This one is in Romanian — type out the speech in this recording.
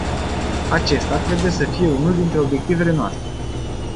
Acesta trebuie să fie unul dintre obiectivele noastre.